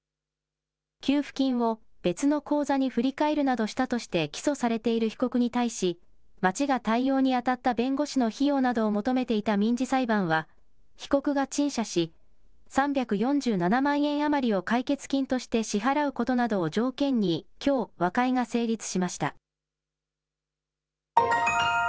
給付金を別の口座に振り替えるなどしたとして起訴されている被告に対し町が対応にあたった弁護士の費用などを求めていた民事裁判は被告が陳謝し３４７万円余りを解決金として支払うことなどを条件にきょう和解が成立しました。